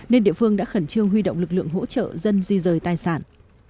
nên địa phương đã khẩn trương huy động lực lượng hỗ trợ dân di rời tài sản